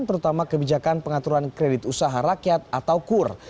terutama kebijakan pengaturan kredit usaha rakyat atau kur